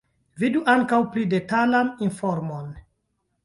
Vidu ankaŭ pli detalan informon.